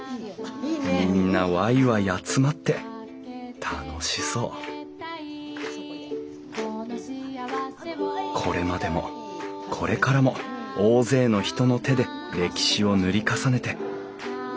みんなワイワイ集まって楽しそうこれまでもこれからも大勢の人の手で歴史を塗り重ねて。